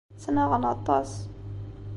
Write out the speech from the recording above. Ttnaɣen aṭas.